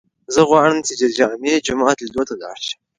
زه غواړم چې د جامع جومات لیدو ته لاړ شم.